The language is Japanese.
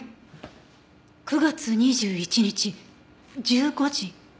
９月２１日１５時。